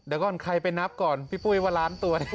เดี๋ยวก่อนใครไปนับก่อนพี่ปุ้ยว่าล้านตัว